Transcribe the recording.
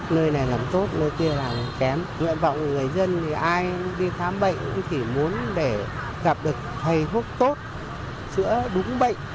nơi này làm tốt nơi kia làm kém nguyện vọng người dân ai đi khám bệnh cũng chỉ muốn để gặp được thầy hút tốt chữa đúng bệnh